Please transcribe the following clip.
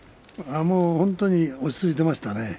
本当に落ち着いてましたね。